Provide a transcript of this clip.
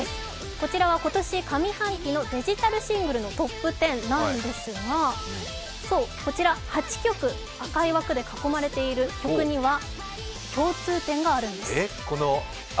こちらは今年上半期のデジタルシングルランキングのトップ１０なんですが、こちら８曲、赤い枠で囲まれている曲には共通点があるんです。